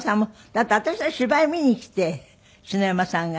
だって私の芝居を見に来て篠山さんが。